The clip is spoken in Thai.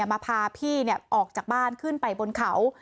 มาพาพี่ออกจากบ้านขึ้นไปบนเขา